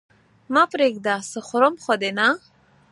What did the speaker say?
مه پرېږده! څه خورم خو دې نه؟